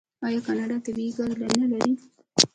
آیا کاناډا طبیعي ګاز نلري؟